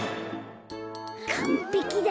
かんぺきだ。